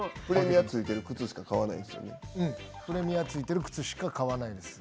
プレミアついている靴しか買わないんですよ。